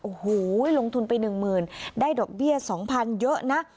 โอ้โหลงทุนไปหนึ่งหมื่นได้ดอกเบี้ยสองพันเยอะนะ